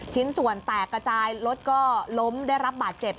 ชิ้นส่วนแตกกระจายรถก็ล้มได้รับบาดเจ็บ